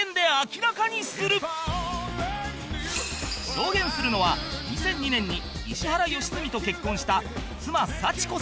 証言するのは２００２年に石原良純と結婚した妻幸子さん